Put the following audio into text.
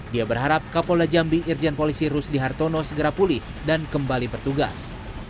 dia berharap kapolda jambi irjen polisi rusdi hartono segera pulih dan kembali bertugas